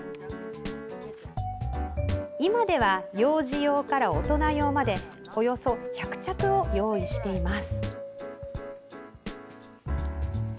今では幼児用から大人用までおよそ１００着を用意しています。